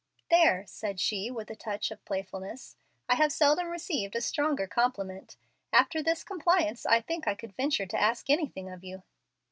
"There," said she, with a touch of playfulness, "I have seldom received a stronger compliment. After this compliance I think I could venture to ask anything of you."